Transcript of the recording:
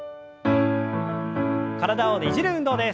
体をねじる運動です。